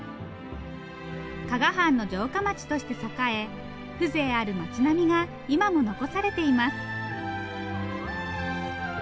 加賀藩の城下町として栄え風情ある町並みが今も残されています。